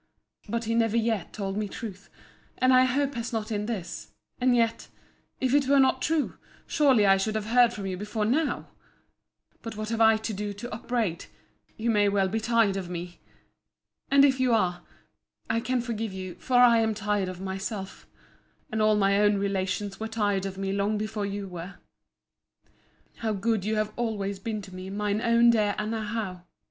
But he never yet told me truth, and I hope has not in this: and yet, if it were not true, surely I should have heard from you before now!—But what have I to do to upbraid?—You may well be tired of me!—And if you are, I can forgive you; for I am tired of myself: and all my own relations were tired of me long before you were. How good you have always been to me, mine own dear Anna Howe!